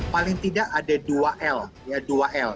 paling tidak ada dua l ya dua l